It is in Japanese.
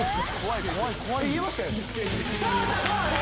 いけましたよね？